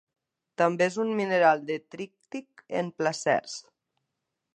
També és un mineral detrític en placers.